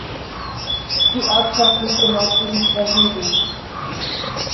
Die Ortschaft liegt genau zwischen zwei Hügeln.